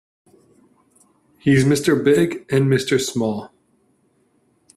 He's Mr. Big and Mr. Small.